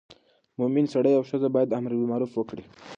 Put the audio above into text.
مومن سړی او ښځه باید امر بالمعروف وکړي.